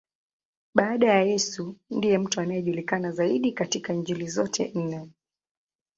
Baada ya Yesu, ndiye mtu anayejulikana zaidi katika Injili zote nne.